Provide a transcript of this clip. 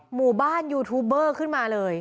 หมู่บ้านยูทูบเบอร์ขึ้นมาเลย